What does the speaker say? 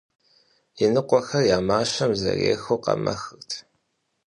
Иныкъуэхэри а мащэм зэрехыу къэмэхырт.